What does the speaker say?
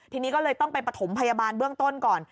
ทีนี้ก็เลยต้องไปประถมพยาบาลเบื้องต้นก่อน